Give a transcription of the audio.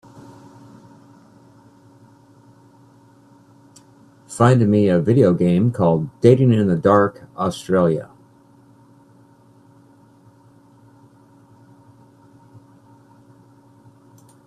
Find me a video game called Dating in the Dark Australia